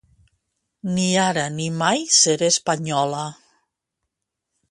Ni ara ni mai sere espanyola.